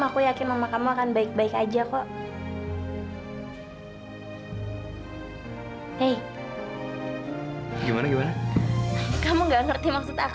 aku yakin mama kamu akan berhenti